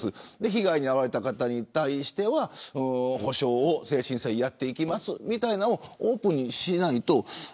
被害に遭われた方に対しては補償を誠心誠意やっていくというみたいなのをオープンにしないと。